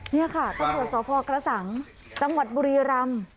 เนี้ยค่ะตำรวจสอบพอกระสังตำวัดบุรีรัม